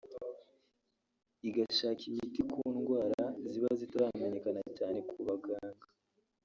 igashaka imiti ku ndwara ziba zitaramenyekana cyane ku baganga